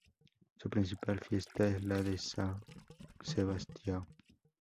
Su principal fiesta es la de São Sebastião.